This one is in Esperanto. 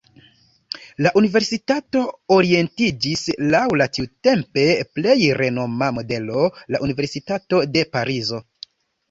La universitato orientiĝis laŭ la tiutempe plej renoma modelo, la universitato de Parizo.